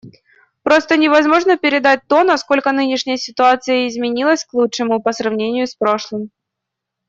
Просто невозможно передать то, насколько нынешняя ситуация изменилась к лучшему, по сравнению с прошлым.